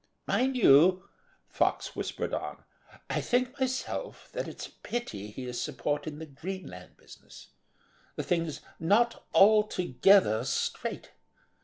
"Mind you," Fox whispered on, "I think myself, that it's a pity he is supporting the Greenland business. The thing's not altogether straight.